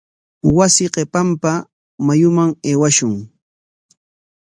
Wasi qipanpa mayuman aywashun.